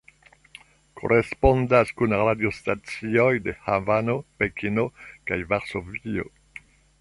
Korespondas kun radiostacioj de Havano, Pekino, kaj Varsovio.